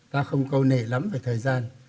ta không câu nệ lắm về thời gian